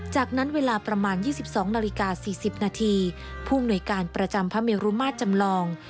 จากนั้นเวลาประมาณ๒๒นาฬิกา๔๐นาทีผู้อำนวยการประจำพระเมรุมาตรจำลอง